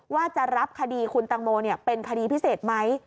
ว่าจะรับคดีคุณตังโมเป็นคดีพิเศษไหม